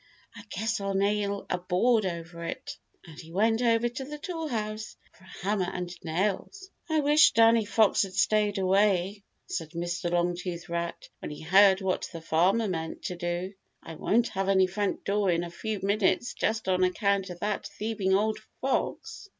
"I guess I'll nail a board over it," and he went over to the Toolhouse for a hammer and nails. "I wish Danny Fox had stayed away," said Mr. Longtooth Rat when he heard what the Farmer meant to do. "I won't have any front door in a few minutes just on account of that thieving old fox."